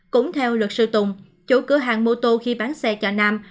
cũng theo luật sư tùng chủ cửa hàng mô tô khi bán xe cho nam